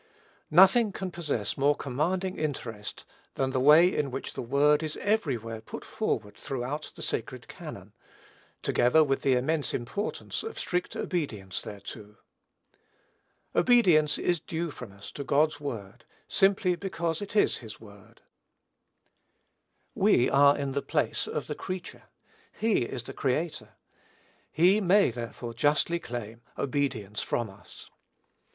Nothing can possess more commanding interest than the way in which the word is everywhere put forward throughout the sacred canon, together with the immense importance of strict obedience thereto. Obedience is due from us to God's word, simply because it is his word. To raise a question when he has spoken, is blasphemy. We are in the place of the creature. He is the Creator; He may, therefore, justly claim obedience from us.